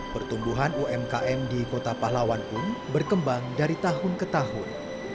pertumbuhan umkm di kota pahlawan pun berkembang dari tahun ke tahun